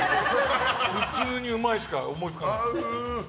普通にうまいしか思いつかなかった。